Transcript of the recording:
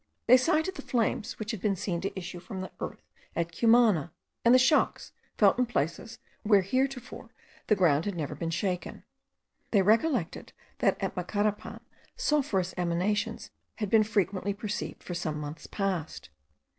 They cited the flames which had been seen to issue from the earth at Cumana; and the shocks felt in places where heretofore the ground had never been shaken. They recollected that at Macarapan, sulphurous emanations had been frequently perceived for some months past.